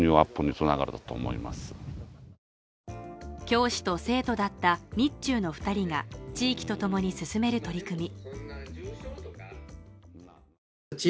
教師と生徒だった日中の二人が地域と共に進める取り組み